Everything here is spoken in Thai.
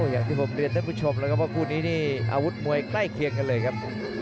อย่างที่ผมเรียนท่านผู้ชมแล้วครับว่าคู่นี้นี่อาวุธมวยใกล้เคียงกันเลยครับ